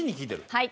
はい。